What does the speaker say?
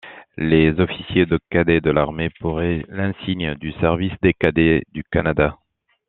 Les officiers de cadets de l'Armée pourrait l'insigne du Service des Cadets du Canada.